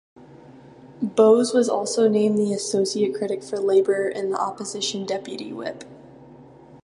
Bowes was also named the associate critic for Labour and the Opposition Deputy Whip.